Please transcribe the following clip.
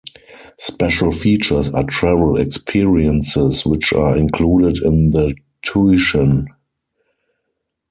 Special features are travel experiences which are included in the tuition.